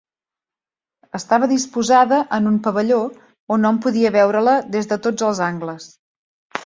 Estava disposada en un pavelló on hom podia veure-la des de tots els angles.